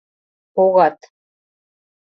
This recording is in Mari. Погат.